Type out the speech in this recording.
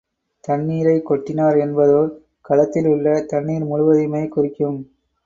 தண்ணீரைக் கொட்டினார் என்பதோ, கலத்திலுள்ள தண்ணீர் முழுவதையுமே குறிக்கும்.